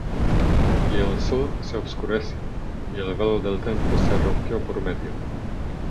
Y el sol se obscureció: y el velo del templo se rompió por medio.